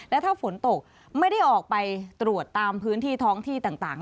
และถ้าฝนตกไม่ได้ออกไปตรวจตามพื้นที่ท้องที่ต่าง